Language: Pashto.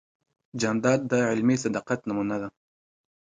جانداد د علني صداقت نمونه ده.